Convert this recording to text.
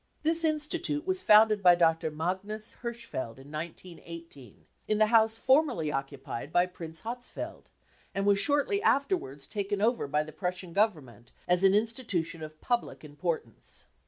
This institute was founded by Dr. Magnus Hirschfeld in 1918, in the house formerly occupied by Prince Hatzfeld, and was shortly afterwards taken over by the Prussian Govern ment as an institution of public importance.